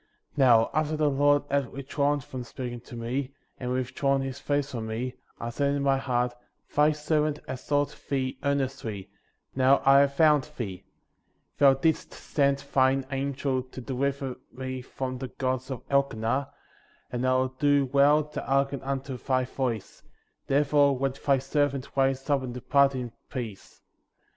12. Xow, after the Lord had withdrawn"' from speaking to me, and withdrawn his face from me, I said in my heart: Thy servant has sought thee ear nestly ; now I have found thee ; 13. Thou didst send thine angel* to deliver me from the gods of Elkenah, and I will do well to hearken unto thy voice, therefore let thy servant rise up and depart in peace. 14.